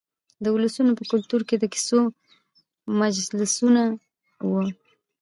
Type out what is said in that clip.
د ولسونو په کلتور کې د کیسو مجلسونه وو.